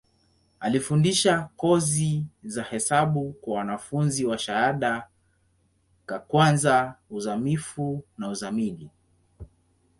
Alifundisha kozi za hesabu kwa wanafunzi wa shahada ka kwanza, uzamivu na uzamili.